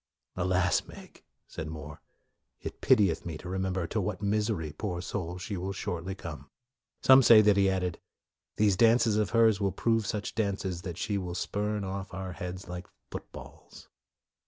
" Alas, Meg," said More, " it pitieth me to remember to what misery, poor soul, she will shortly come.' 1 Some say that he added, " These dances of hers will prove such dances that she will spurn off our heads like footballs."